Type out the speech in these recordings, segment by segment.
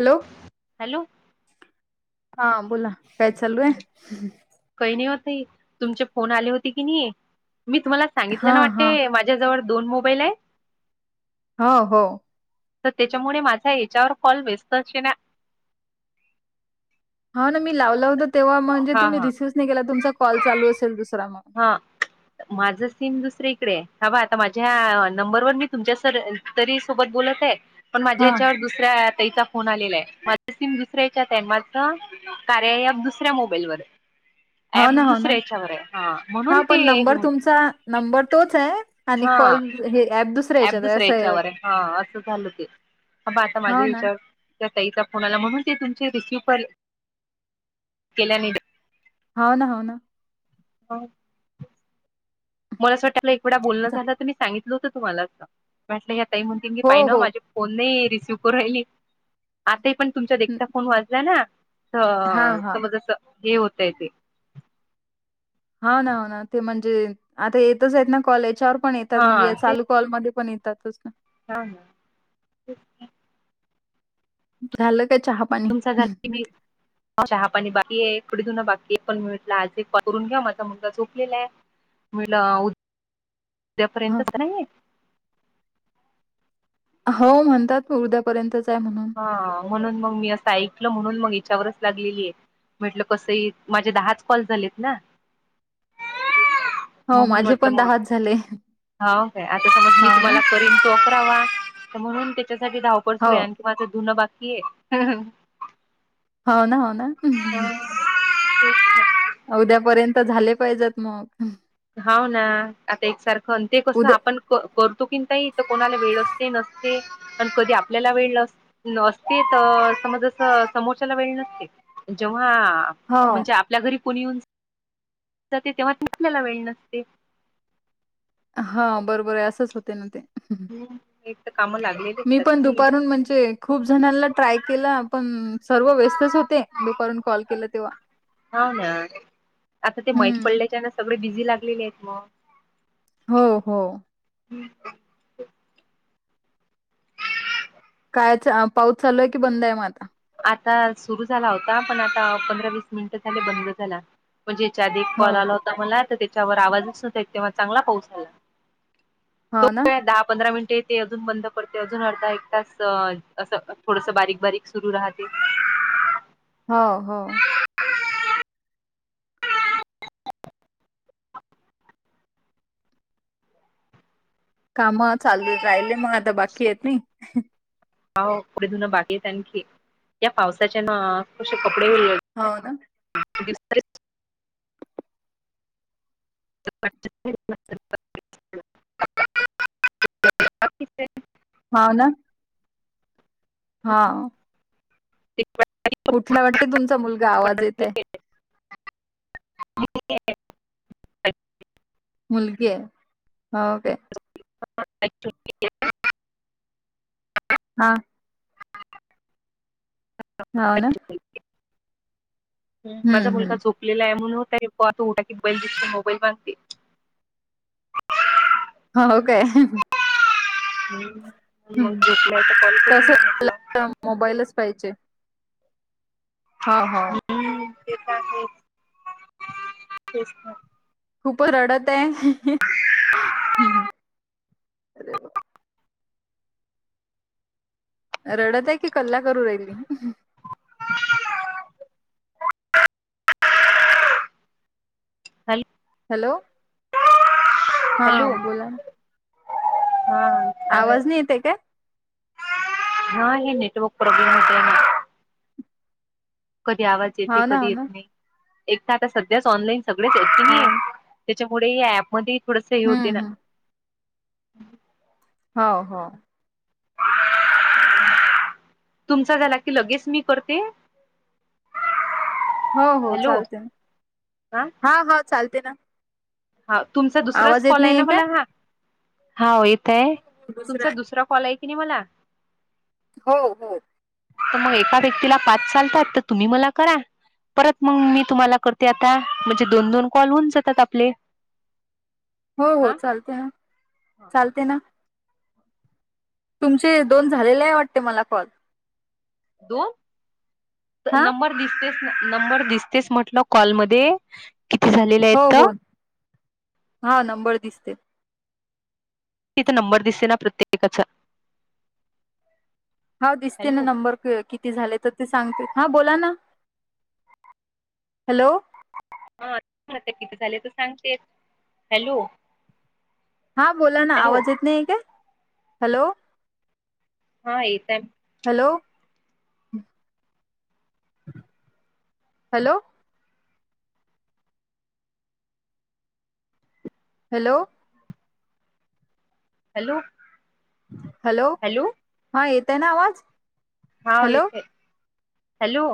Hello hello हा बोला काय चालु आहे काही नाही ओ ताई तुमचे फोन आले होते की नाही मी तुम्हाला सांगितल हा ना हा वाटते तुझ्याजवळ दोन मोबाईल आहे हो हो तर त्याच्यामुळे माझा याच्यावर कॉल व्यस्त असे ना हो ना मी लावल होत तेव्हा म्हणजे हा तुम्ही हा रिसिव्ह नाही केला तुमचा कॉल चालु असेल दुसरा मग ह माझ सीम दुसरीे कडे हा ब आता माझ्या नंबर वर मी तुमच्या सर तरी सोबत बोलत आहे पण माझ्या हा ह्याच्यावर दुसऱ्य त्यायचा फोन आलेला आहे माझ सिम दुसऱ्याच्यात आहे माझ कार्या ऍप दुसऱ्या मोबाईलवर आहे [inaudible] ऍप हो ना दुसऱ्या याच्यावर आहे म्हणून हा ते पण नंबर तुमचा नंबर तोच आहे आणि हां कॉल हे ऍप याच्यात आहे दुसऱ्या असं आहे याच्यावर वाटत हा अस झाल ते ह आता हो माझे ना याच्यावर त्या ताईचा फोन आला म्हणुन ते तुमचे रिसिव्ह केल्या नाही हो ना हो ना हो, मला असं वाटतं आपलं एक वेळा बोलणं जा. झालं त मी सांगितलं होतं तुम्हाला असं वाटलं, असं ह्या ताई म्हणतील मी हो पाहि ना हो माझे फोन नाही रिसीव्ह करू राहिली आताही पण तुमच्या हं, देखता फोन वाजला ना. हा अं हा समज असं हे होतय ते हाव ना, हाव ना ते म्हणजे आता येतचं आहेत ना कॉल, याच्यावर पण येतात हा म्हणजे ते चालू कॉल मध्ये पण येतातच ना. हा हा [unintelligible] झालं काय चहा? पाणी तुमचा झाला की नही? चहा पाणी बाकी ये, थोडं धुनं बाकी ये एक पण मि म्हणटला आज एक करून घ्या माझा मुलगा झोपलेला आहे. होय ना उद्या हो पर्यंतच ना हे. हो म्हणतात ना उद्यापर्यंतच आहे म्हणून हा म्हणून मग मी असं ऐकलं म्हणून मग याच्यावरच लागलेली ये. म्हटलं कसंही माझे दहाच कॉल झालेत ना. [inaudible] म्हणून म्हटलं पण मग दहाच झाले. हाव काय आता समज मी हो ना, तुम्हाला करीन, त [inaudible] [unintelligible] म्हणून त्याच्यासाठी धावपळ हो, सुरू आहे, आणखी माझं धुन बाकी आहे. हाव ना, हाव ना. हा तेच तर उद्या पर्यंत झाले पाहिजेत मग हाव ना आता एकसारखं न ते कसं उद्या आपण क, करतो की नाही तर कोणाला वेळच नही नसते. पण कधी आपल्याला वेळ असते, तर समजं समोरच्याला वेळ नसते. जेव्हा हो. म्हणजे आपल्या घरी कोणी येऊन जाते तेव्हा [unintelligible] आपल्याला वेळ नसते. हा बरोबर आहे असंच होते ना ते. हम् एक त काम लागले मी पण दुपारून म्हणजे खूप जणांला ट्राय केला, पण सर्व व्यस्तच होते दु दुपारुन कॉल केलं तेव्हा. हो ना, आता ते माहित हम्म. पडल्याच्यान सगळे बिझी लागलेले आहेत म. हो -हो, हम्, अच्छा, पाऊस चालू आहेकी बंद आहे मग आता? आता सुरू झाला होता, पण आता पंधरा, वीस मिनिटं झाले बंद झाला. म्हणजे याच्या आधी एक कॉल हो आला का? होता मला, तर त्याच्यावर आवाजच नव्हता तेव्हा चांगला पाऊस आला. तो हाव ना, काय दहा, पंधरा मिनिटे येते अजून बंद पडते, अजून अर्धा एक तास असं थोडस बारीक -बारीक सुरू राहते. हो -हो, काम चालू राहिले मग आता बाकी येत नही. हो पुढे धुनं बाकी आहेत आणखी या पावसाच्या ना कशे कपडे उरले हाव ना, हस् [inaudible] [inaudible] बाकि काय? हा, ना. हां. [unintelligible] उठला वाटते तुमचा मुलगा, आवाज येत आहे. मुलगीय. हो का. [unintelligible] हां. हां माझा हम्म हम्म मुलगा झोपलेला आहे, म्हणून आता उटला की बैल दिसते, मोबाईल मागते. हो काय. ह मग झोपल्या, आता कॉल करू ना आपलं. त्याला मोबाईलच पाहिजे. हा हो. हम्म ते तर आहेच. खूप रडत आहे. रडत आहे की कल्ला करू राहिली. [unintelligible] [unintelligible] हॅलो. हा हॅलो, बोला ना. हा, हा. आवाज नाही येतेय काय. हा, हे नेटवर्क प्रॉब्लेम होते ना. कधी आवाज येते, हो ना हो कधी येत ना नाही. एक तर आता सध्याच ऑनलाईन सगळेच की नाही हां. त्याच्यामुळे हे ऍपमध्ये थोडस हे होते ना. हम्म हम्म हो, हो. [inaudible] तुमचा झाला की लगेच मी करते. हो हो हॅलो चालते, हा हा चालते ना. हाव, तुमचा दुसराच आवाज येत कॉल आहे ना नाहीये काय मला हा. हाव येतय. हो, हो. तुमचा आहे. दुसरा कॉल आहे की नाही मला. हो. तर मग एका व्यक्तीला पाच चालतात, तर तुम्ही मला करा. परत मग मी तुम्हाला करते आता, म्हणजे दोन दोन कॉल होऊन जातात आपले. हो हो हा चालते ना, चालते ना. तुमचे दोन झालेले आहे वाटते मला कॉल. दोन हा नंबर दिसते. नंबर दिसतेस म्हटलं कॉलमध्ये. किती झालेले हो आहेत हो, तर हा नंबर दिसते. तिथं नंबर दिसते ना प्रत्येकाचा. हाव, दिसते ना हॅलो नंबर. किती झाले तर ते सांगते. हा, बोला ना हॅलो. हा किती झाले तर सांगशील, हॅलो हा बोला ना हॅलो आवाज येत नाहीय काय, हॅलो. हा, येतय. Hello hello hello hello hello हां येतं आहे नां आवांज हांव येते हॅलो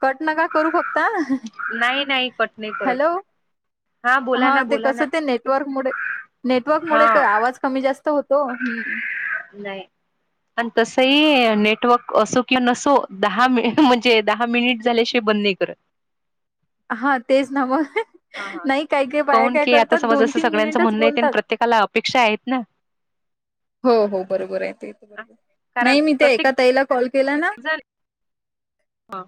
कंट नकां करूं फक्तं नाही नाही कट नाही करत हॅलो हा बोला हां ना ते बोला ना कसं ते नेटवर्क मुळे नेटवर्क मुळे आवांज कमी जास्तं होतं नाहीं आणि तसंही नेटवर्क असो किंवा नसो दहा मिनिटे म्हणजे दहा मिनिटं झाल्याशिवाय बंद नाहीं करतं हां तेचं नं मगं हा हा. नाहीं कांहीं कांहीं बायां काऊन कायं की आता करतांत समज दोन असं तीनं सगळ्यांचं मिनिटं चं म्हणणं येते आणि बोलतांत प्रत्येकाला अपेक्षा आहेत ना. हो हो बरोबर आहे ते नाहीं मी त्यां एकां ताईला कॉल केलां नां जरं हां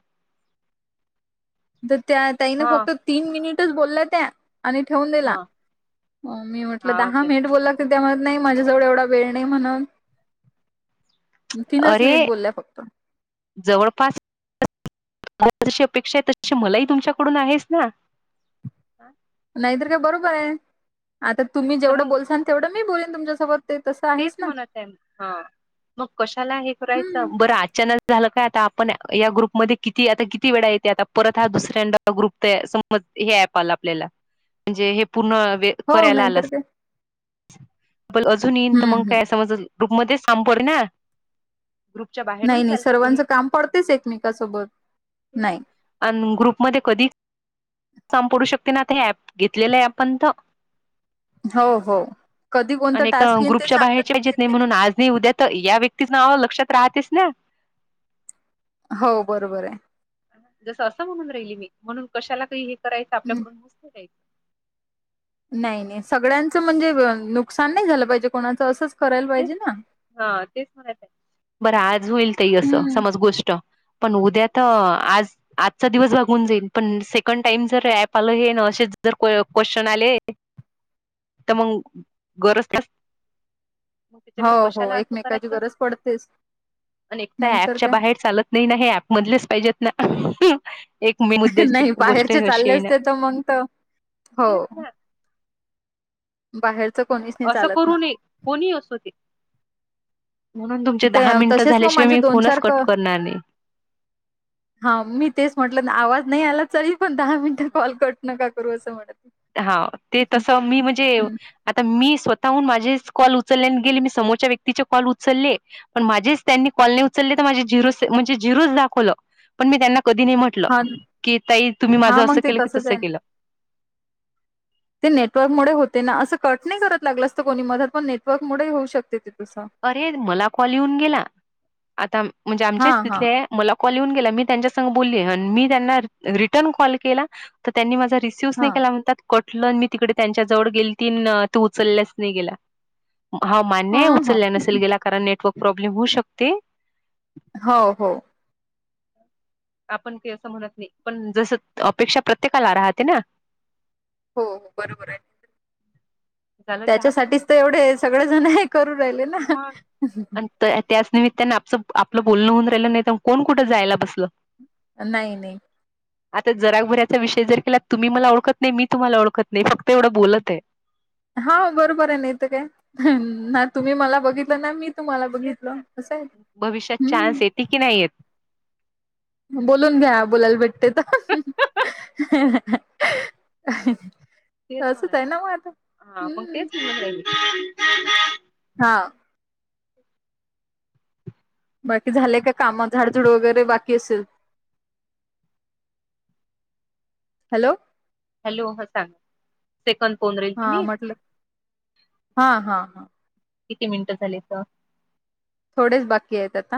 तरं त्यां ताईने ह फक्तं तीनं मिनिटंच बोलल्यां त्यां आणि ठेवूंन दिला ह मी म्हटलं हा दहा ओके. मिनिटं बोलां त्यां म्हणतं नाहीं माझ्यांजवळं एवढां वेळं नाहीं म्हणतं तीनं चं मिनिटं बोलल्यांय फक्तं जवळंपास जशी अपेक्षा आहे तशी मलांही तुमच्यांकडूंन आहेसं नां नाहींतरं कायं बरोबर आहे आंता तुम्हीं तर जेवढं मग बोलसांल तेवढं मी बोलेन तुमच्यांसोबतं तेचं म्हणतं आहे हां मंग कशांला हे हम्म करायचं बरं अचांनक झालं कायं आंता आपणं यां ग्रुपमध्यें किती आंता किती वेळां येते आंता परंत हां दुसऱ्यांदा ग्रुप समजं हे ऍप आंला आपल्यांला म्हणजे हे पूर्ण हो करांयला आंला नाहीतर काय पणं अजूंन येईन तरं हम्म मंग हम्म कायं समजं ग्रूपमध्यें शांम परे नां नाहीं नाहीं सर्वांचं कोणी कामं पडतेचं एकमेकांसोबतं नाहीं आणि ग्रुपमध्यें कधीं पडूं शकते नां आंता हां ऍप घेतलेलं आहे आपणं तरं हो हो कधीं कोणंता टांस्क येईल ते सांगतात जेतं नाहीं म्हणूंन आंज नाहीं उद्यां तरं यां व्यक्तीचं नांव लक्षांत राहतेस नां हो बरोबर आहे जसं असं म्हणूंन राहिली मी म्हणूंन कशांला कांहीं हे करायचं हम्म आपल्यांकडूंन मस्तं नाहीं नाहीं सगळ्यांचं म्हणजे नुकसांन नाहीं झालं पाहिजे कोणाचं असंच करायला पाहिजे ना हां तेचं म्हणतं आहे बरं आंज होईल ताई असं हम्म समजं गोष्ट पणं उद्यां तरं आंज आंजचा दिवसं भाघूंन जाईल पणं सेकंड टाईम जरं ऍप आलं हे नां असेच जरं क्वेश्चन आले. [unintelligible] तरं मंग गरजं त्यां मंग हो त्यांच्या हो कशांला असं एकमेकाची करायचं गरज पडतेच आणि एक नाहीतर ऍपच्या काय बाहेर चालतं नाहीं नां हे ऍपमधलेच पाहिजेत नां एक मुद्द्यांची नाही गोष्ट बाहेरचे अशी चालले आहे नां असते तर मग तर बाहेर असं करूं नये कोणी अंसू दे म्हणून तुमचे ते दहा मिनिट तसेच मग झाल्याशिवाय माझे मी दोन फोनच चार कट क करणार नाही. हा मी तेच म्हटलं. आवाज नाही आला तरी पण दहा मिनटं कॉल कट नका करू असं म्हणत हा ते तसं मी म्हणजे आता मी स्वतःहून माझेच कॉल उचललेने गेले. मी समोरच्या व्यक्तीचे कॉल उचलले. पण माझीच त्यांनी कॉलनी उचलली तर माझी झिरो म्हणजे झिरोच दाखवलं पण मी त्यांना कधी नाही म्हंट लं. हा की ताई तुम्ही हा माझं मग असं ते केलं की तसंच तसं आहे ना. केलं. ते नेटवर्क मुळे होते ना. असं कट नाही करत लागलं असतं कोणी मधत पण नेटवर्क मुळे होऊ शकते ते. तसं अरे मला कॉल येऊन गेला. आता म्हणजे हा आमचेच हा तिथले मला कॉल येऊन गेला. मी त्यांच्या संग बोलले अन् मी त्यांना रि - रिटर्न कॉल केला. तर त्यांनी माझा रिस रिसीव्ह हा नाही केला म्हणतात. कटल मी तिकडे त्यांच्या जवळ गेलतीन तू उचलल्यास नाही गेला. हा ह मान्य आहे. ह उचलल्या नसेल गेला कारण नेटवर्क प्रॉब्लेम होऊ शकते. हो हो आपण काही असं म्हणत नाही पण जसं अपेक्षा प्रत्येकाला राहते ना? हो बरोबर हाय. झालं चहा पाणी त्याच्यासाठीच तर एवढे सगळेजण हे करू राहिले ना? तर त्याच निमित्ताने आप स आपलं बोलणं होऊन राहिलं नाही तर कोण कुठं जायला बसलं. नाही नाही. आता जरागभऱ्याचा विषय जर केला तुम्ही मला ओळखत नाही. मी तुम्हाला ओळखत नाही. फक्त एवढं बोलत आहे. हा बरोबर आहे नाहीत काय? ना तुम्ही मला बघितलं ना मी तुम्हाला तेच बघितलं. असं आहे हम्म. ती की नाही येत बोलून घ्या. बोलायला भेटते तर. तेच म्हणत तसंच आहे ना मग आता? हा हम्म. [inaudible] हा. बाकी झालेय का काम? झाडझुड वगैरे बाकी असेल? हॅलो. हॅलो ह सांग. सेकंद पोन रे हा म्हटलं. हा हा हा. किती मिनिटं झालेत? थोडेच बाकी आहेत आता.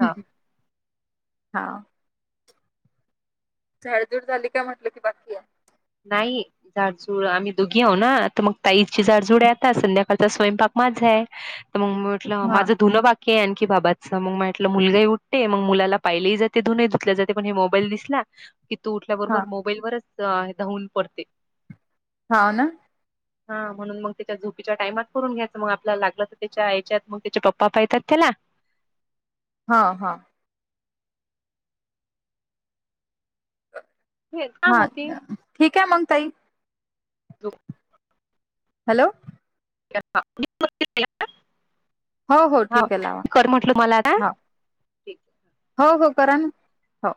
हा हम्म. हा. झाडझूड झाली काय म्हटलं की बाकी आहे? नाही. जाडजूड आम्ही दोघी आहो ना? तर मग ताईची झाडजुड आहे. आता संध्याकाळचा स्वयंपाक माझा आहे. तर मग म्हटलं हा माझं धुण बा की आणखी बाबाच मग म्हटलं मुलगाही उठते मग मुलाला पाहिलेही जाते. धुणही धुतल्या जाते. पण हे मोबाईल दिसला. कि तू हा उठल्याबरोबर मोबाईल वरच धावून पडते. हाव ना? हा म्हणून मग त्याच्या झोपीच्या टाइमात करून घ्यायचं मग आपला लागलं तर त्याच्या आयच्यात मग त्याचे पप्पा पायत्यात त्याला. हा हा. हे काम हा होते. ठीक आहे मंग ताई. [inaudible] हॅलो. [unintelligible] हो हो हा ठीक आहे लावा कर म्हटल मला ना. हा हो, हो, करा ना. हो.